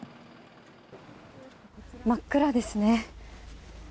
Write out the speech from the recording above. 真っ暗ですね。